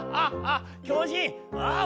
ああ